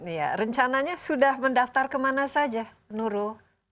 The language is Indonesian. iya rencananya sudah mendaftar kemana saja nurul